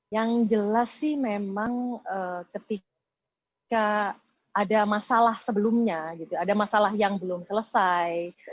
yang jelas sih memang ketika ada masalah sebelumnya gitu ada masalah yang belum selesai